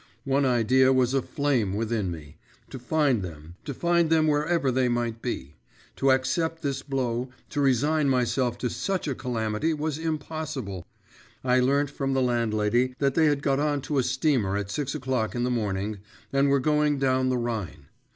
One idea was aflame within me; to find them, to find them wherever they might be. To accept this blow, to resign myself to such a calamity was impossible. I learnt from the landlady that they had got on to a steamer at six o'clock in the morning, and were going down the Rhine.